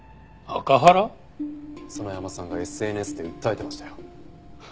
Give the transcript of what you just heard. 園山さんがＳＮＳで訴えてましたよ。